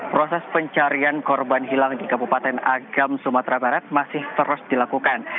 proses pencarian korban hilang di kabupaten agam sumatera barat masih terus dilakukan